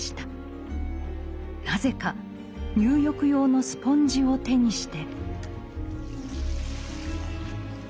なぜか入浴用のスポンジを手にして。